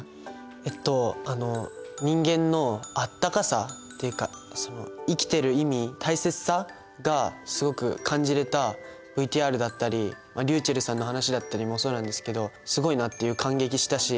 えっとあの人間のあったかさっていうか生きてる意味大切さがすごく感じれたＶＴＲだったりりゅうちぇるさんの話だったりもそうなんですけどすごいなって感激したし。